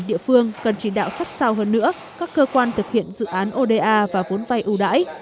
địa phương cần chỉ đạo sát sao hơn nữa các cơ quan thực hiện dự án oda và vốn vay ưu đãi